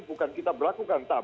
bukan kita berlakukan